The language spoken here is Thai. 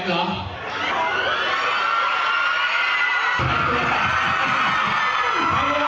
ใครวะ